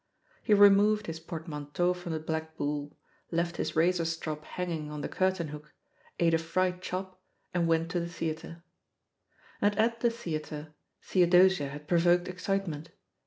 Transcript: He removed his port manteau from the Black Bull, left his razor strop hanging on the curtain hook, ate a fried chop, and went to the theatre. And at the theatre Theodosia had provoked excitement.